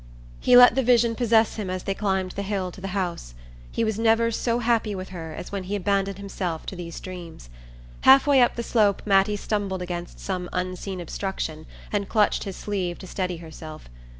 He let the vision possess him as they climbed the hill to the house. He was never so happy with her as when he abandoned himself to these dreams. Half way up the slope Mattie stumbled against some unseen obstruction and clutched his sleeve to steady herself.